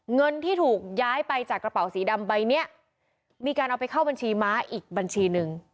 เงินที่ถูกย้ายไปจากกระเป๋าสีดำใบเนี้ยมีการเอาไปเข้าบัญชีม้าอีกบัญชีหนึ่ง